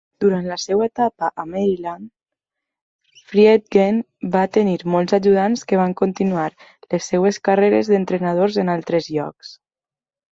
Durant la seva etapa a Maryland, Friedgen va tenir mols ajudants que van continuar les seves carreres d'entrenadors en altres llocs.